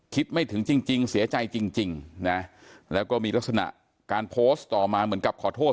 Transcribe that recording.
คิดไม่ถึงจริงเสียใจจริงนะแล้วก็มีลักษณะการโพสต์ต่อมาเหมือนกับขอโทษ